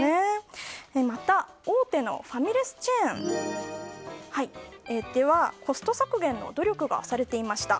また、大手のファミレスチェーンではコスト削減の努力がされていました。